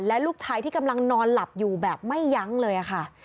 และลูกชายที่กำลังนอนหลับอยู่แบบไม่ยั้งเลยค่ะ